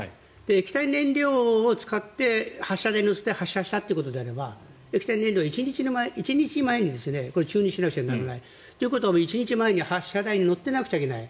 液体燃料を使って発射台に乗せて発射したということであれば液体燃料、１日前に注入しなくちゃならない。ということは１日前に発射台に乗っていないといけない。